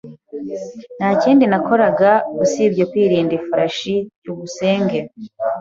Nta kindi nakoraga usibye kwurira ifarashi. byukusenge